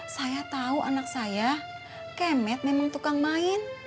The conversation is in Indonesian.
saya tahu anak saya kemet memang tukang main